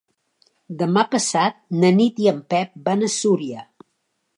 Demà passat na Nit i en Pep van a Súria.